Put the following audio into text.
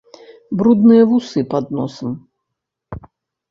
Брудныя вусы пад носам.